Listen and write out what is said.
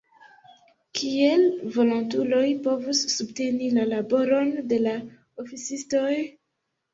Kiel volontuloj povus subteni la laboron de la oficistoj?